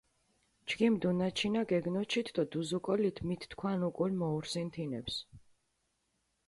ჩქიმ დუნაჩინა გეგნოჩით დო დუზუკულით მით თქვან უკულ მოურსინ თინეფს.